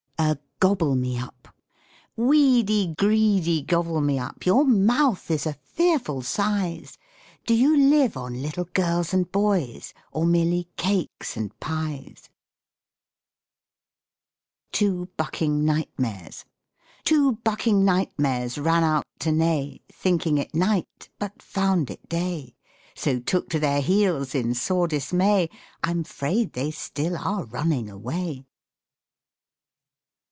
A GOBBLE ME UP Weedy, greedy Gobble Me Up, Your mouth is a fearful size. Do you live on little girls and boys, Or merely cakes and pies? TWO BUCKING NIGHTMARES Two bucking nightmares ran out to neigh, Thinking it night, but found it day, So took to their heels in sore dismay, I'm 'fraid they still are running away.